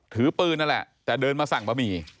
ถือปืนนั่นแหละแต่เดินมาสั่งบะหมี่